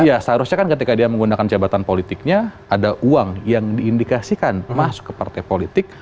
iya seharusnya kan ketika dia menggunakan jabatan politiknya ada uang yang diindikasikan masuk ke partai politik